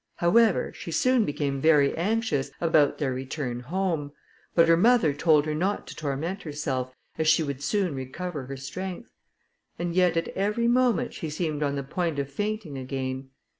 However, she soon become very anxious about their return home; but her mother told her not to torment herself, as she would soon recover her strength; and yet at every moment she seemed on the point of fainting again.